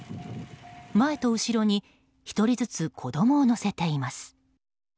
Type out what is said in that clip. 前と後ろに１人ずつ子供を乗せています。